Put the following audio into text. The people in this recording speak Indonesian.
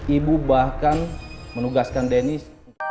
ibu bahkan menugaskan dennis